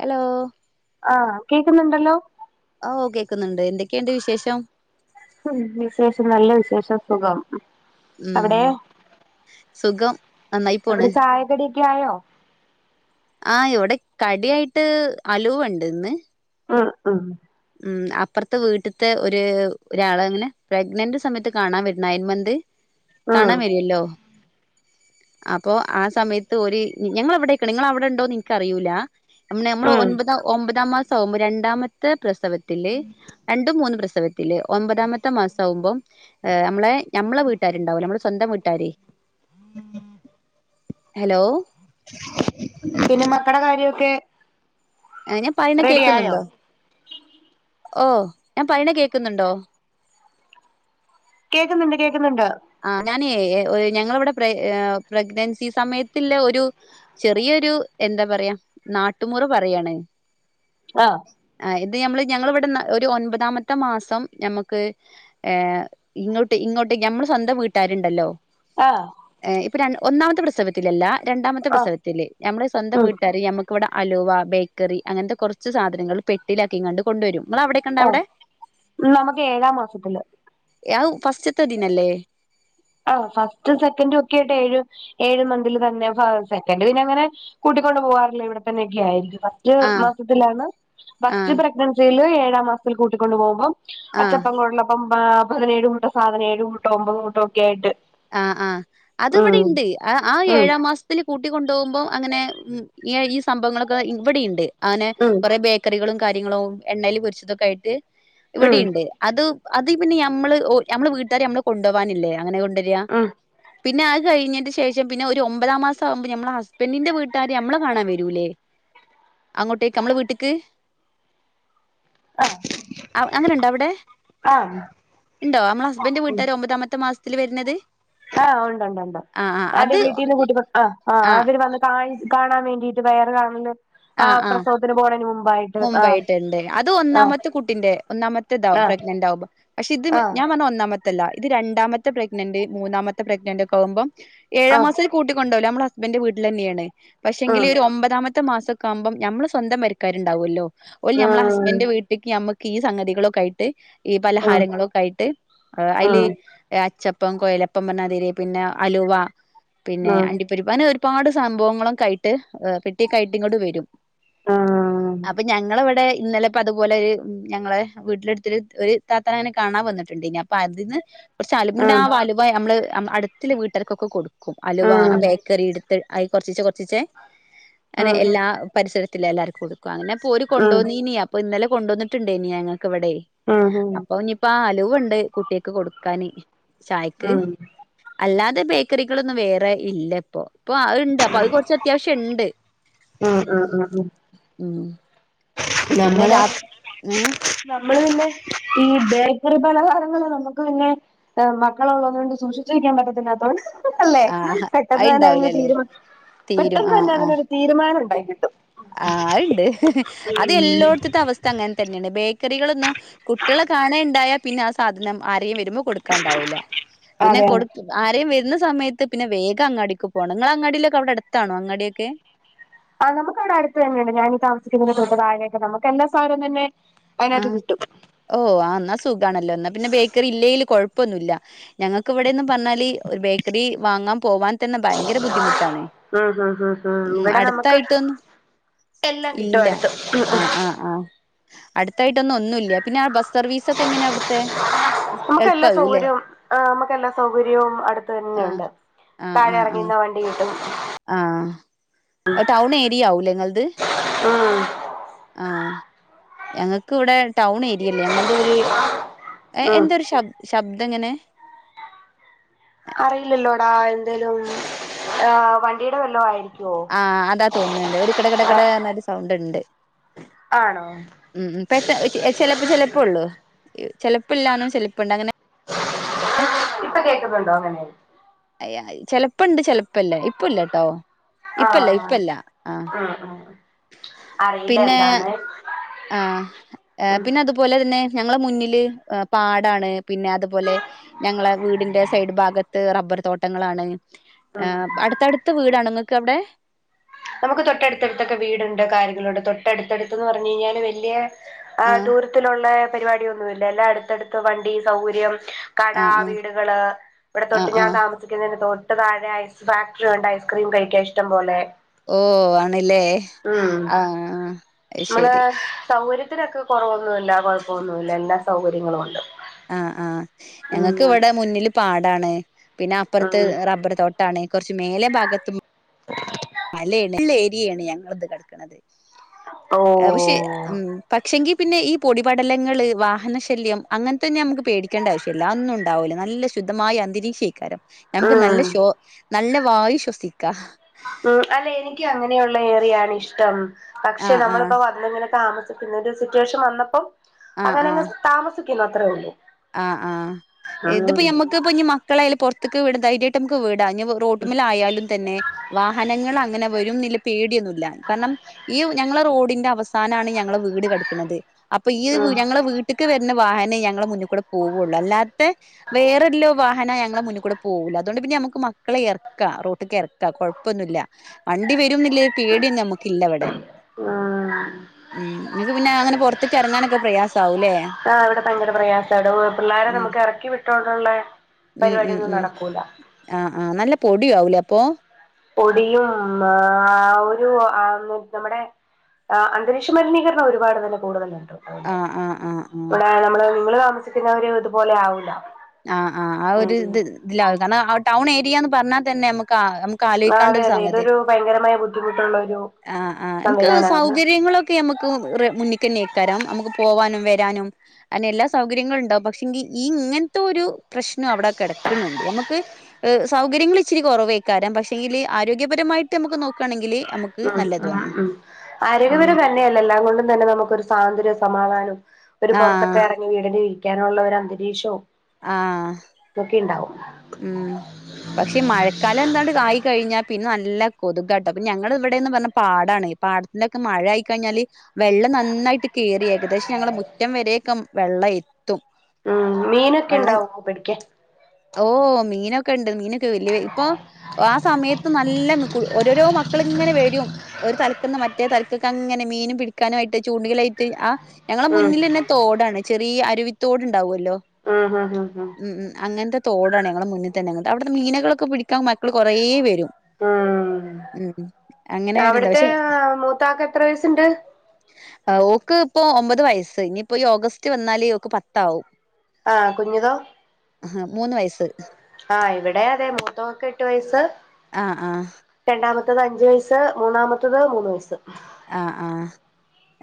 Hello ആഹ് കേക്കാന്ന്ണ്ടല്ലോ ആഹ് ഓ കേൾക്കുന്നുണ്ട് എന്തൊക്കെയുണ്ട് വിശേഷം ഉഅ വിശേഷം നല്ല വിശേഷം സുഖം ഉം അവിടെ സുഖം നന്നായി പോണ് യായോ ആഹ് ഇവിടെ കടിയിയായിട്ട് അലവണ്ട് ഇന്ന് ആഹ് ആഹ് ഉം അപ്പുറത്തെ വീട്ടെത്തെ ഒരു ഒരാളെന്നെ പ്രഗ്നന്റ് സമയത്ത് കാണാൻ വരുന്ന നയന്മന്ത് ഉം കാണാൻ വരൂല്ലോ അപ്പൊ ആഹ് സമയത്ത് ഒരു ഞങ്ങള എവിടെക്ക നിങ്ങ അവിടെ ഉണ്ടോന്ന് ഇൻക്ക് അറിയൂല നമ്മ നമ്മളെ ഉം ഒൻപത ഒമ്പതാം മാസം ആവുമ്പ രണ്ടാമത്തെ പ്രസവത്തില് രണ്ടും മൂന്നും പ്രസവത്തില് ഒൻമ്പതാമത്തെ മാസാകുമ്പോ നമ്മളെ നമ്മളെ വീട്ടുകാരുണ്ടാവൂലെ നമ്മള സ്വന്തം വീട്ടാര് ഹലോ പിന്നെ മക്കടെ കാര്യൊക്കെ ആഹ് ഞാൻ പറയ്ണേ റെഡി ആയോ കേക്കുന്നുണ്ടോ ഓ ഞാൻ പറയ്ണ കേക്കുന്നുണ്ടോ കേക്കുന്നുണ്ട് കേക്കുന്നുണ്ട് ആഈ ഞാനേ ഞങ്ങളവിടെ പ്ര പ്രഗ്നൻസി സമയത്തില്ല ഒരു ചെറിയൊരു എന്താ പറയാ നാട്ടുമുറ പറയാണ് ആഹ് ആഈ ഇത് ഞമ്മള് ഞങ്ങ ഇവിടെ ഒരു ഒൻപതാമത്തെ മാസം ഞമ്മുക്ക് ഏഹ് ഇങ്ങോട്ട് ഇങ്ങോട്ട് ഞമ്മൾ സ്വന്തം വീട്ടുകാരുണ്ടല്ലോ ആഹ് ഏൽഅ ഇപ്പൊ ഒന്നാമത്തെ പ്രസവത്തിലല്ല രണ്ടാമത്തെ ആഹ് പ്രസവത്തില് നമ്മുടെ സ്വന്തം ഉം വീട്ടുകാര് ഞമ്മക്ക് ഇവിടെ അലുവ ബേക്കറി അങ്ങനത്തെ കുറച്ച് സാധനങ്ങൾ പെട്ടിലാക്കി കണ്ട് കൊണ്ട് വരും നമ്മൾ അവിടെ ആഹ് നമുക്ക് ഏഴാം മാസത്തില് അത് ഫസ്റ്റ്ത്തദിനല്ലേ ആഹ് ഫസ്റ്റ് സെക്കൻറും ഒക്കെ ആയിട്ട് ഏഴു ഏഴ് മന്തിൽ തന്നെ സെക്കൻ് പിന്ന അങ്ങനെ കൂട്ടിക്കൊണ്ട് പോവാറില്ല ഇവിടെത്തന്നെ ഒക്കെ ആയിരിക്കും ആ മാസത്തിലാണ് ആ ഫസ്റ്റ് പ്രഗ്നൻസിൽ ഏഴാം മാസത്തിൽ കൂട്ടിക്കൊണ്ടു പോകുമ്പോം ആ അച്ചപ്പം കൊഴലപ്പം പതിനേഴ് കൂട്ടോ സാധന ഏഴ് കൂട്ടോ ഒമ്പത് കൂട്ടോ ഒക്കെ ആയിട്ട് ആഹ് ആഹ് അത് ഇവിടെ ഉം ഉണ്ട് ആഹ് ഉം ഏഴാം മാസ ൽ കൂട്ടിക്കൊണ്ടുപോക്പോ അങ്ങനെ ഈ സംഭവങ്ങളൊക്കെ ഇവിടെുണ്ട് അങ്ങനെ ഉം കൊറെ ക്കറികളും കാര്യങ്ങളും എണ്ണയിൽ പൊരിച്ചതൊക്കെ ആയിട്ട് ഉം ഇവിടെയിണ്ട് അത് അത് പിന്നെ മ്മള് നമ്മള് വീട്ടുകാരെ നമ്മള് കൊണ്ട് പോവാനല്ലേ അങ്ങനെ കൊണ്ടുവരിക ഉം പിന്നെ അത് കഴിഞ്ഞന്റെ ശേഷം പിന്നെ ഒരു ഒമ്പതാം മാസം ആകുമ്പോ നമ്മളെ ഹസ്ബൻഡിന്റെ വീട്ടുകാര് നമ്മളെ കാണാൻ വരൂല്ലേ അങ്ങോട്ടേക്ക് നമ്മള വീട്ടിക്ക് ആഹ് അങ്ങനെണ്ടോ അവിടെ ആഹ് ഉണ്ടോ നമ്മളെ ഹസ്ബൻഡ്ന്റെ വീട്ടുകാര് ഒമ്പതാമത്തെ മാസത്തിൽ വര്ന്നത് ആഹ് ഉണ്ട ഉണ്ട് ഉണ്ട് അന്റെ അത് വീട്ടീന്ന് കൂട്ടി ആഹ് ആഹ് അവര് വന്ന കാണാൻ വേണ്ടിട്ട് വെയറ് കാണലും ആ ആഹ് ആഹ് പ്രസവത്തിന് പോണേന് മുമ്പായിട്ട് ആഹ് മുമ്പായിട്ടുണ്ട് അത് ആഹ് ഒന്നാമത്തെ കുട്ടിന്റെ ഒന്നാമത്തെതാവും ആഹ് പ്രഗ്നന്റ് ആകുമ്പോ പക്ഷെ ത് ആഹ് ഞാ വന്നെ ഒന്നാമത് ല്ല ഇത് രണ്ടാമത്തെ പ്രഗ്നന്റ് മൂന്നാമത്തെ പ്രഗ്നന്റ് ഒ ആവുമ്പോം ഏഴാ ആഹ് മാസത്തി കൂട്ടിക്കൊണ്ടോകില്ല നമ്മളഹസ്ബൻറ് വീട്ടിൽ തന്നെയാണ് പക്ഷെങ്കില് ആഹ് ഒരു ഒമ്പതാമത് ത്ത മാസൊക്കാവുമ്പം നമ്മള് സ്വന്തം പെരക്കാരുണ്ടാവൂല്ലോ, ഓല് ഞമ്മളെ ആഹ് ഹസ്ബൻഡന്റെ വീട്ട് ക്ക് നമ്മുക്ക് ഈ സംഗതികളൊക്കെ ആയിട്ട് ഈ ആഹ് പലഹാരങ്ങളൊക്കെ ആയിട്ട് അയ്ല് ആഹ് അച്ചപ്പം കൊയലപ്പം പർഞ്ഞാതിരി പിന്നെ അലുവ പിന്നെ ആഹ് അണ്ടിപ് രിപ്പ് അങ്ങനെ ഒരുപാട് സംഭവങ്ങളൊക്കായിട്ട് പെട്ട്യൊക്കായിട്ട് ഇങ്ങട്ട് വരും അപ്പ ഞങ്ങള് വടെ ഇന്നലെ പ്പ അതുപോലെ ഞങ്ങളെ വീട്ടിലടുത്തൊരു ഒരു താത്താനെ കാണാൻ വന്നിട്ടുണ്ടേനി അപ്പൊ അതിന്ന് കുറച്ച് ആഹ് അൽമുനാവലുവ നമ്മള് അടുത്തുള്ള വീട്ടർക്കൊക്കെ കൊടുക്കും ആഹ് അലുവ ആഹ് ബേക്കറിടുത്ത് ആയി കൊർച്ചിച്ചേ കൊർച്ചിച്ചേ ആഹ് ആഹ് അങ്ങനെ ആഹ് എല്ലാ പരിസരത്തില്ലെല്ലാർക്കും കൊടുക്കും പ്പങ്ങനെക്കോല് കൊണ്ടോന്നീനീ അപ്പ ഇന്നല കൊണ്ടുവന്നിട്ടുണ്ടേനി ഞങ്ങക്ക് വടെയ് ആ ഹം പ്പാ ആ അലുവണ്ട് കുട്ട്യേക്ക് കൊടുക്കാന് ചായക്ക് ആഹ് അല്ലാതെ ബേക്കറികളൊന്നും വേറെ ഇല്ല പ്പോ, പ്പൊ അഹ്ണ്ട് അപ്പൊ അത് കൊർച്ചത്യാവശ്യണ്ട് ആഹ് ആ ആ അഹ് ഉം പിന്നെ നമ്മള് രാ ഏഹ് നമ്മള് പിന്നെ ഈ ബേക്കറി പലഹാരങ്ങള് നമുക്ക് പിന്നെ മക്കളുള്ളതോണ്ട് സൂക്ഷിച്ച് വെക്കാൻ പറ്റത്തില്ലാത്തോണ്ട് അല്ലെ ആഹ് പെട്ടെന്ന് തന്നെ അതിന് അത്ണ്ടാവില്ലല്ലേ തീരുമാ തീരും പെട്ടെന്ന് തന്നെ അതിനരു തീരുമാനം ഉണ്ടായി കിട്ടും ആ അഹ്ണ്ട് അത് ഉം എല്ലോട്ത്ത് ത്തവസ്ഥ അങ്ങൻ തന്നെയാണ് ബേക്കറികളൊന്നും കുട്ട്യളെ കാണേ ണ്ടായ പിന്നാ സാധനം ആരേം വരുമ്പൊ കൊടു ക്കാണ്ടാവൂല പിന്നെ അതെ കൊടു അതെ ആരേം വരുന്ന സമയത്ത് പിന്നെ വേഗം അങ്ങാടീക്ക് പോണം, ങ്ങളെ അങ്ങാടിലൊക്കെ അവിടെ അടുത്താണോ അങ്ങാടിയൊക്കെ ആ നമുക്കവിടെ അടുത്ത് തന്നെയുണ്ട്, ഞാനീ താമസിക്കുന്നന്റെ തൊട്ട് താഴെആയിട്ട്. നമുക്കെല്ലാ സാനവും തന്നെ അയ്നാത്ത് കിട്ടും ഓ ആ ന്നാ സുഗാണല്ലോ എന്നാ പിന്നെ ബേക്കറി ഇല്ലേലും കൊഴപ്പൊന്നുമല്ല ഞങ്ങക്ക് വടെന്ന് പർഞ്ഞാല് ഒരു ബേക്കറി വാങ്ങാൻ പോവാൻ തന്നെ ഭയങ്കര ബുദ്ധിമുട്ടാണ്. ഉം ഹും ഹും ഹും ഉം ഇവിടെ നമുക്ക് അടുത്തായിട്ട് എല്ലാം കിട്ടും ഇല്ല അടുത്ത് ആഹ് ആഹ് ആഹ് അടുത്തായിട്ടൊന്നും ഒന്നുല്യ പിന്നെ ബസ് സർവീസൊക്കെ എങ്ങനെയ അവിടുത്തെ നമുക്കെല്ലാ എളുപ്പാവൂല്ലേ സൗകര്യവും, ആഹ് നമുക്കെല്ലാ സൗകര്യവും അടുത്ത് ആഹ് തന്നെയുണ്ട് ആഹ് ആഹ് ആഹ് ങ്ങിന്ന വണ്ടി കിട്ടും ആഹ് അഹ് ടൗൺ ഏരിയ ആവൂലേ ങ്ങൾത് ആഹ് ആഹ് ഞങ്ങക്ക് വടെ ടൗൺ ഏരിയല്ല ഞങ്ങൾതൊര് ഏ ഉം എന്തൊരു ശബ് ശബ്ദങ്ങനെ അറിയില്ലല്ലോടാ എന്തേലും ഹ് വണ്ടിയുടെ വെല്ല ആയിരിക് ആഹ് അതാ തോന്ന്ണ്ട് ഒരു ആ കിടക്കിടക്കിട ർഞൊര് സൗണ്ട് ണ്ട് ആണോ ഉം പെട്ട ചെലപ്പൊ ചെലപ്പൊള്ളു ചെിലപ്പല്ലാർഞ്ഞാ ചെലപ്പണ്ട് അങ്ങന ഇപ്പൊ കേക്കുന്നുണ്ടോ അങ്ങനെ അയ്യ ചെലപ്പുണ്ട് ചെിലപ്പല്ല ഇപ്പല്ലട്ടോ ആ ഇപ്പല്ല ഇപ്പല്ല ആഹ് ഉം ഉം അറിയില്ല പിന്നെ എന്താന്ന് ആഹ് ഉം പിന്നെ അതുപോലെ തന്നെ ഞങ്ങള മുന്നില് പാടാണ് പിന്നെ അതുപോലെ ഞങ്ങളെ വീടിന്റെ സൈഡ് ഭാഗത്ത് റബ്ബർ തോട്ടങ്ങളാണ് ഉം ആഹ് അടുത്തടുത്ത വീടാണേ നിങ്ങക്ക് അവിടെ നമുക്ക് തൊട്ടടുത്തെടുത്തൊക്കെ വീടുണ്ട് കാര്യങ്ങളൾ ഉണ്ട് തൊട്ടടുത്തെടുത്ത്ന്ന് പറഞ്ഞു കഴിഞ്ഞാല് വല്യ ആഹ് ദൂരത്തിലുള്ള പരിപാടി യൊന്നുമില്ല എല്ലാം അടുത്തടുത്ത് വണ്ടി സൗകര്യം കട ആഹ് ആഹ് വീടുകള് ഇവിടെ തൊട്ട് ആഹ് ഞാൻ ആഹ് താമസിക്ക ക്കുന്നതിന്റെ തൊട്ട് താഴെ ഐസ് ഫാക്ടറി ഉണ്ട് ഐസ്ക്രീം കഴിക്കാ ഇഷ്ടം പോലെ ഓഹ് ആണല്ലേ ആഹ് ആഹ് നമ്മളെ സൗകര്യത്തിനൊക്കെ കുറവൊന്നുമല്ല കൊഴപ്പൊന്നുമല്ല എല്ലാ സൗകര്യങ്ങളും ഉണ്ട് ആഹ് ആഹ് ഞങ്ങൾക്ക് ഉം ഇവിടെ മുന്നില് പാടാണ് പിന്നെ അപ്പുറത്ത് ഉം റബ്ബർ തോട്ട ട്ടാണ് കുറച്ച് മേലെ ഭാഗത്ത മലയാണ് നല്ല ഏരിയയാണ് ഞങ്ങളത് കിടക്കണത് ഓ പക്ഷേ ഉം പക്ഷെങ്കി പിന്നെ ഈ പൊടിപടലങ്ങൾ വാഹന ശല്യം അങ്ങനെ തന്നെ നമുക്ക് പേടിക്കേണ്ട ആവശ്യം ല്ല അഒന്നും ഉണ്ടാവലേ നല്ല ശുദ്ധമായ അന്തരീക്ഷയ്ക്കാരം ഞമുക്ക് നല്ല ഉം ശ്വ നല്ല വായു ശ്വസിക്കാം ഉം അല്ലെ എനിക്ക് അങ്ങനെയുള്ള ഏറിയാണ് ഇഷ്ടം പക്ഷെ ആഹ് ആഹ് നമ്മളിപ്പോ വന്നിങ്ങനെ താമസി സിറ്റുവേഷൻ വന്നപ്പോം ആഹ് അങ്ങനെ ആഹ് അങ്ങ് താമസിക്കുന്നു അത്രേ ഒള്ളൂ ആഹ് ആഹ് ഇതിപ്പ നമ്മുക്ക് ഇപ്പൊ ഇനി മക്കളായാല പുറത്തേക്ക് വിട ദെര്യ ക്ക് വീടാ ഇനി റോട്ട്മൽ ആയാലും തന്നെ വാഹനങ്ങൾ അങ്ങനെ വരുന്നില്ലെ പേടിയൊന്നും ഇല്ല കാരണം ഈ ഞങ്ങളെ റോഡിന്റെ അവസാനാണ് ഞങ്ങളെ വീട് കടക്ക്ണത് അപ്പൊ ഈ വീ ഉം ഞങ്ങളെ വീട്ടക്ക് വരുന്ന വാഹനെ ഞങ്ങളെ മുന്നി കൂടെ പോവെള്ളു അല്ലാത്ത വേറെല്ലോ വാഹനം ഞങ്ങളെ മുന്നുകൂടെ പോകൂല അതൊണ്ട് പിന്നെ നമുക്ക് മക്കളെ ഇറക്കാം റോട്ട് ഇറ കൊഴപ്പൊന്നും ഇല്ല വണ്ടി വരുംന്നില്ല ഒരു പേടിയെന്നും നമുക്ക് ഇല്ല ഇവിടെ ഉം ഉം ഇങ്ങക്ക് പിന്നെ അങ്ങനെ പൊറത്തക്ക് എറങ്ങാൻ ഒക്കെ പ്രയാസ ആവും ല്ലേ ഭയങ്കരം പ്രയാസമാവിടെ പിള്ളേര നമുക്ക് ഇറക്കി വിട്ടോണ്ടുള്ള ഉം ഉം പരിപാടിയൊന്നും ഉം നടക്കൂല ആഹ് ആഹ് നല്ല പൊടിം ആവൂലേ അപ്പൊ പൊടിയും ആഹ് ഒരു ആഹ് നമ്മുടെ ആ അന്തരീക്ഷ മലിനീകരണം ഒരുപാട് തന്നെ കൂടുതലാട്ടെ ആഹ് ആഹ് ആഹ് ആഹ് ഇവടെ നമ്മള് നിങ്ങള് താമസിക്കുന്നവര് ഇതുപോലെ ആവൂല്ല ആഹ് ആഹ് ആ ഒരു ഇത് ഇതിലാവും കാരണം ആ ടൗൺ ഏരിയാന്ന് പറഞ്ഞാ തന്നെ നമുക്ക് ആഹ് ഉം ആ അതെ അതെ ഇതൊരു ഭയങ്കരമായ ബുദ്ധിമുട്ടുള്ള ഒരു ആഹ് ആഹ് ഇൻക്ക് സംവിധാനമാണ് സൗകര്യങ്ങളൊക്കെ നമ്മ ക്കും റേ മുന്ന്ക്കന്നെയ്ക്കാരം നമുക്ക് പോവാനും വരാനും അങ്ങെനെ എല്ലാ സൗകര്യങ്ങളും ഇണ്ടാവും പക്ഷെങ്കി ഈ ഇങ്ങനത്തെ ഒരു പ്രശ്നം അവിടെ കെടക്കണണ്ട് നമക്ക് ഹ് സൗകര്യങ്ങള് ഇച്ചരി കുറവേക്കാരം പക്ഷെങ്കില് ആരോഗ്യപരമായിട്ട് നമുക്ക് നോക്കുകണെങ്കിൽ നമുക്ക് ഉം ഉം നല്ലതുമാണ് ഉം ഉം ആരോഗ്യപര എല്ലാം കൊണ്ടും തന്നെ നമക്കൊരു സ്വാതന്ത്രയും സമാധാനം ഒരു പുറത്തൊക്കെ ആഹ് എറങ്ങി വീടില് ഇരിക്കാനുള്ള ഒരുരന്തരീകഷോം ആഹ് ഇതൊക്കെ ഇണ്ടാവും ഉം പക്ഷെ ഈ മഴക്കാലം എന്താണ്ട് ആയി കഴിഞ്ഞാ പിന്നെ നല്ല കൊതുകാട്ടോ ഇപ്പൊ ഞങ്ങളെ ഇവിടെന്ന് പറഞ്ഞ പാടാണ് ഈ പാട ഇന്നൊക്കെ മഴ ആയി കഴിഞ്ഞാല് വെള്ളം നന്നായിട്ട് കയറി ഏകദേശം ഞങ്ങളെ മുറ്റം വരെയൊക്കെ വെള്ളം എത്തും ആഹ് മീനൊക്കെ ഇണ്ടോ പിടിക്കാൻ ഓഹ് മീനൊക്കെണ്ട് മീനൊക്കെ വല്യ ഇപ്പൊ ആ സമയത്ത് നല്ല ക്കും ഓരോരോ മക്കളിങ്ങനെ വരും ഒരു തലക്കന്ന് മറ്റേ തല ക്കങ്ങനെ മീനും പിടിക്കാനും ആയിട്ട് ചൂണ്ടലും ആയിട്ട് ആ ഞങ്ങളെ ഉം മുന്നില് തോടാണ് ചെറിയ അരുവിത്തോടുണ്ടാവോല്ലോ ആഹ് ഹാ ഹാ ഉം അങ്ങനത്തെ തോടാണ് ഞങ്ങളെ മുന്നി തന്നെ അവിടുത്തെ മീനകളൊക്കെ പിടിക്കാൻ മക്കൾ കൊറേ വരും ആഹ് ഉം അങ്ങനെ ഒരുതാ അവിടത്തെ പക്ഷെ മൂത്താക്ക് എത്ര വയസുണ്ട് ഓക്ക് ഇപ്പൊ ഒമ്പത് വയസ്സ് ഇനിയിപ്പോ ഈ ഓഗസ്റ്റ് വന്നാല് ഓക്ക് പത്ത് ആവും ആഹ് കുഞ്ഞുതോ ആഹ് മൂന്ന് വയസ്സ് ആഹ് ഇവിടെ അതെ മൂത്തോക്ക് എട്ട് വയസ് ആഹ് ആഹ് രണ്ടാമത്തത് അഞ്ചു വയസ്സ് മൂന്നാമത്തത് മൂന്ന് വയസ്സ് ആഹ് ആഹ്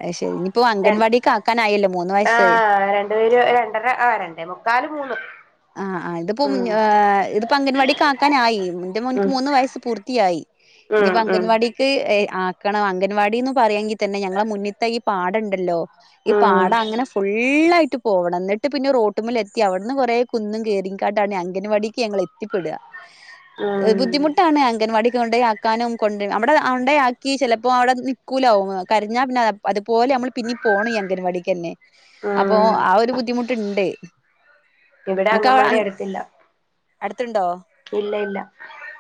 അഹ് ശെരി ഇനിപ്പോ ര അംഗൻവാടിക്ക് ആക്കാനായല്ലോ മൂന്ന് വയസ്സ് ഒരു രണ്ടര ആരണ്ടേ മുക്കാല് മൂന്ന് ആഹ് ആഹ് ഇതിപ്പോ ഉം ഏഹ് ഇതിപ്പോ അംഗൻവാടിക്ക് ആക്കാനായി എന്റെ മോൻക്ക് മൂന്ന് വയസ്സ് പൂർത്തിയായി ആഹ് ആഹ് ക്ക് ഏഹ് ആക്കണം അംഗൻവാടിന്ന് പറയാങ്കിതന്നെ ഞങ്ങളെ മുന്നിൽത്തെ ഈ പാടണ്ടല്ലോ ഈ ഉം പാടങ്ങനെ ഫുള്ളായിട്ട് പോവണം എന്നിട്ട് പിന്നെ റോട്ട്മൽ എത്തി അവിടുന്ന് കൊറേ കുന്നും കേറി കാണ്ടാണ് അങ്കൻവാടിക്ക് ഞങ്ങൾ എത്തിപ്പെട. ഉം ബുദ്ധിമുട്ടാണ് അംഗൻവാടീക്ക് കൊണ്ടായ ആ ക്കാനും കൊണ്ട് നമ്മടെ ആണ്ടേ ആക്കി ചിലപ്പോ അവിടെ നിക്കൂല ഓൻ കരഞ്ഞാ പിന്നെ അതുപോലെ നമ്മൾ പിന്നിം പോണം ഈ അംഗൻവാടിക്കന്നെ അപ്പൊ ഉം ആ ഒരു ബുദ്ധിമുട്ട്ണ്ട് ഇവിടെ അങ്ങൻമാടി അടുത്തില്ല അടുത്തുണ്ടോ ഇല്ല ഇല്ല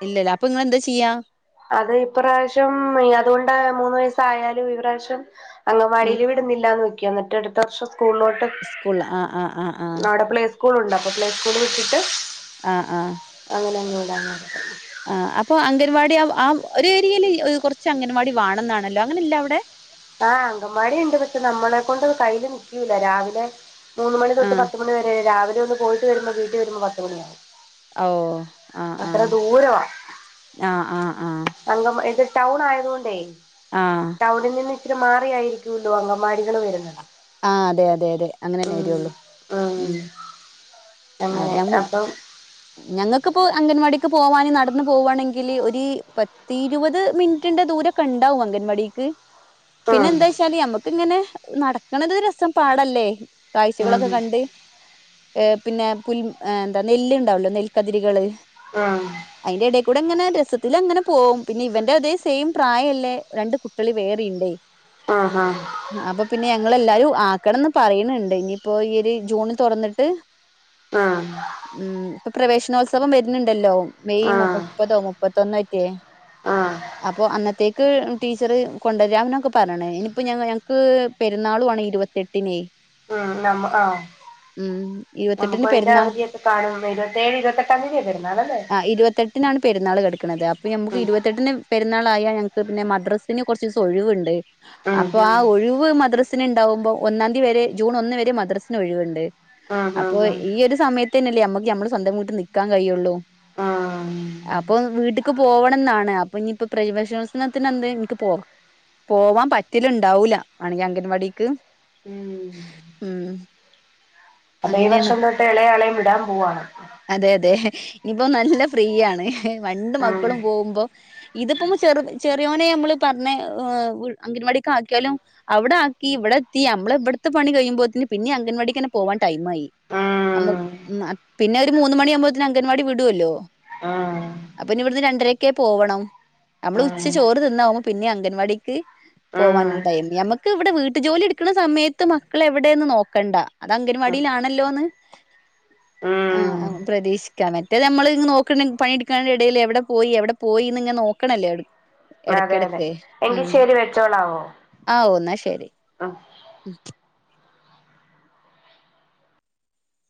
ഇല്ല ഇല്ല അപ്പൊ ഇങ്ങളെന്താ ചെയ്യാ അത് ഇപ്രാവശ്യം അതുകൊണ്ട് മൂന്ന് വയസ്സ് ആയാലും ഇപ്രാവശ്യം അങ്കവാടിൽ വി ടുന്നില്ലന്ന് വെക്ക എന്നിട്ട് അടുത്ത വർഷം സ്കൂളിലോട്ട് സ്കൂൾല് ആഹ് ആഹ് ആഹ് സ്കൂൾണ്ട് അപ്പൊ പ്ലേ സ്കൂൾ വിട്ടിട്ട് ആഹ് ആഹ് അങ്ങനെ അങ്ങ് വിടാന്ന് ഓർത്ത് ആഹ് അപ്പൊ അംഗൻവാടി ആ ഒരു ഏരിയയിൽ കുറച്ച് അംഗൻവാടി വേണന്നാണല്ലോ അങ്ങനെയില്ലേ അവിടെ ആഹ് അങ്കമ്മാടി ഉണ്ട് പക്ഷെ നമ്മളെ കൊണ്ട് കയ്യിൽ നിൽക്കൂല്ല രാവിലെ മൂന്ന് മണി ആ തൊട്ട് പത്ത് മണി വരെ രാവിലെ ഒന്ന് പോയിട്ട് വരുമ്പോ വീട്ടിൽ വരുമ്പോ പത്ത് മണിയാവും ഓഹ് ആഹ് അത്ര ആഹ് ദൂരവാ ആഹ് ആഹ് ആഹ് അംഗ ഇത് ടൗൺ ആയത് കൊണ്ടേ ആഹ് ടൗണിൽ നിന്ന് ഇച്ചിരി മാറിയായിരിക്കോല്ലോ അങ്കമാടികൾ വരുന്നത് ആഹ് അതെ അതെ അതെ അങ്ങനെ തന്നെ ഉം വരൊള്ളൂ ഉം ആഹ് അങ്ങനെ ഞമ്മു അപ്പം ഞങ്ങൾക്ക്പ്പോ അംഗൻവാടിക്ക് പോവാനും നടന്ന് പോവാണെങ്കിൽ ഒരു പത്തി ഇരുപത് മിനിറ്റിന്റെ ദൂരം കണ്ടാവും അംഗൻവാടിക്ക്. പിന്നെ ഉം എന്താ വെച്ചാല് ഞമ്മക്ക്ങ്ങനെ നടക്കണ രസം പാടല്ലേ. ഉം കാഴ്ചകളൊക്കെ കണ്ട് ഏ പിന്നെ പുൽ എന്താ നെല്ല്ണ്ടാവല്ലോ നെൽക്കതിരികള്. ആഹ് അയിൻ്റെ എടക്ക കൂടെ ഇങ്ങനെ രസത്തി അങ്ങനെ പോകും പിന്നെ ഇവന്റെ അതേ സെയിം പ്രായമല്ലേ രണ്ട് കുട്ടള് വേറെയുണ്ട് ആഹ ഹഹ അപ്പൊ പിന്നെ ങ്ങളെല്ലാരും ആക്കണംന്ന് പറയുന്നുണ്ട് ഇനിയിപ്പോ ഈയ ഒരു ജൂൺ തുറന്നിട്ട്. ആ ഉം ഇപ്പൊ പ്രവേശനോത്സവം വരുന്നുണ്ടല്ലോ മെയ് ഉം മുപ്പതോ മുപ്പത്തൊന്നോ ഒക്കെയ ഉം അപ്പൊ അന്നത്തേക്ക് ടീച്ചറ് കൊണ്ടുവരാമനൊക്കെ പറയണേ ഇനിയിപ്പോ ഞ ഞങ്ങക്ക്. പെരുന്നാളും ആണ് ഇരുപത്തെട്ടിന്. ഉ നമ്മ ആ നമുക്ക് ഇരുപത്തെട്ടിന് അതിന്റെ പെരുന്നാൾ അവധിയൊക്കെ കാണ്പ ഇരുപത്തിഴ് ഇരുപത്തെട്ടാം തീയതി വരുന്നതല്ലേ എനാണ് പെരുന്നാൾ കിടക്കുന്നത് അപ്പൊ നമുക്ക് ഇരുപത്തെട്ടിന് പെരുന്നാൾയാൽ ഞങ്ങക്ക് പിന്നെ മദ്രസിന് കുറച്ച് ദിവസം ഒഴിവുണ്ട്. ഉം അപ്പൊ ആ ഉം ഒഴിവ് മദ്രസിന് ഉണ്ടാവുമ്പോ ഒന്നാം തീയതി വരെ ജൂൺ ഒന്ന് വരെ മദ്രസിന് ഒഴിവുണ്ട്. ആഹ് അപ്പോ ആഹ് ഈ ഒരു സമയത്ത് തന്നല്ലേ നമ്മക്ക് നമ്മള് സ്വന്തം വീട്ട് നിക്കാൻ കഴിയുള്ളൂ. ആഹ് ആഹ് അപ്പൊ വീട്ട് എനിക്ക് പോവണം എന്നാണ് അപ്പൊ ഇനിയിപ്പ പ്ര വിശവത്സനത്തിന് എന്ത് എനിക്ക് പോ പോവാൻ പറ്റല് ഉണ്ടാവില്ല ആണെങ്കിൽ അ വടിക്ക് ഉം ഉം അപ്പം ഈ അങ്ങനെയാണ് വർഷം തൊട്ട് ഇളയാ ആളേം വിടാൻ പോവുവാണ്. അതെ അതെ ഇനിപ്പോ നല്ല ഫ്രീയാണ് പണ്ട് ആഹ് മക്കളും പോകുമ്പോ ഇതിപ്പം ചെറു ചെറിയോനെ നമ്മള് പറഞ്ഞ അംഗൻവാടക്ക് ആക്കിയാലും. അവിടെ ആക്കി ഇവിടെ എത്തി നമ്മള ഇവിടത്തെ പണി കഴിയുമ്പോഴത്തന് പിന്നെ അംഗൻവാടിക്ക്ങ്ങനെ പോവാൻ ടൈം ആയി. ആഹ് നമ്മ പിന്നെ ഒരു മൂന്ന് മണിയാകുമ്പോത്തന് അംഗൻവാടി വിടുല്ലോ? ആഹ് അപ്പൊ ഇനി ഇവിടുന്ന് രണ്ടരൊക്കെ പോവണം. നമ്മൾ ഉച്ച ആഹ് ചോറ് തിന്നാവുമ്പോ പിന്നെ അംഗൻവാടിക്ക് ആഹ് പോവാനടായിരുന്നു നഞമ്മക്ക് ഇവിടെ വീട്ടു ജോലി എടുക്കുന്ന സമയത്ത് മക്കൾ എവിടെന്ന് നോക്കണ്ട. അത് അംഗൻവാടിയിലാണല്ലോ എന്ന്. ഉം ആഹ് പ്രതീക്ഷിക്കാം മറ്റേത് നമ്മള് നോക്ക് പണിടിക്കുന്ന ടൈമില് എവിടെ പോയി എവിടെ പോയിന്ന് ഇങ്ങ നോക്കണല്ലേ എടക്ക്‌ അതെ അതെ എടക്ക് എങ്കിൽ ഉം ശരി വെച്ചോളാവോ ആ ഒന്നാ ശരി ആഹ് ഉം